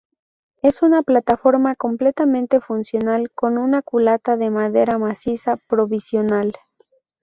Es una plataforma completamente funcional, con una culata de madera maciza provisional.